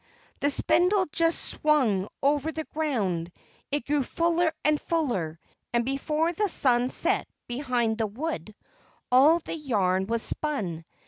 The spindle just swung over the ground. It grew fuller and fuller, and before the sun set behind the wood, all the yarn was spun.